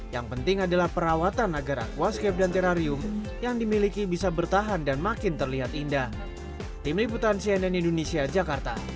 yang penting adalah perawatan agar aquascape dan terarium yang dimiliki bisa bertahan dan makin terlihat indah